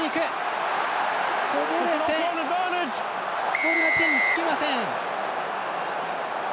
ボールが手につきません。